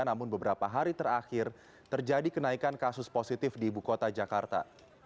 namun beberapa hari terakhir terjadi kenaikan kasus positif di ibu kota jakarta